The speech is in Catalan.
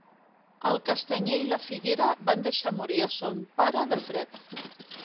El castanyer i la figuera van deixar morir a son pare de fred.